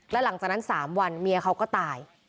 แล้วหลังจากนั้น๓วันเมียเขาก็ตาย